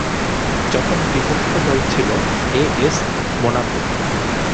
যখন বিপক্ষ দল ছিল এএস মোনাকো।